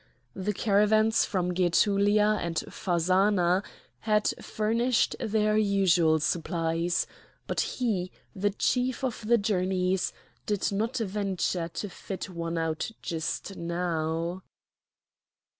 The caravans from Gætulia and Phazzana had furnished their usual supplies; but he, the Chief of the Journeys, did not venture to fit one out just now.